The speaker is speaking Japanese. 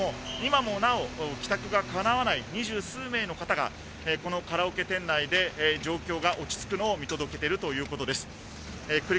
今もなお、帰宅がかなわない２０数名の方がカラオケ店内で状況が落ち着くのを見届けているそうです。